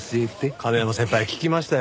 亀山先輩聞きましたよ。